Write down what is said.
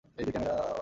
এই যে ক্যামেরা।